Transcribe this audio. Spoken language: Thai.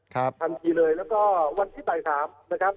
ทันทีเลยแล้วก็วันที่ใต้๓นะครับ